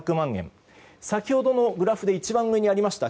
先ほどのグラフで一番上にありました